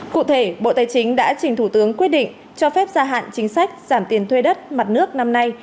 cụ thể bộ tài chính đã trình thủ tướng quyết định cho phép gia hạn chính sách giảm tiền thuê đất mặt nước năm nay